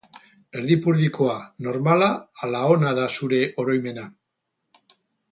Erdipurdikoa, normala ala ona da zure oroimena?